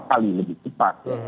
lima kali lebih cepat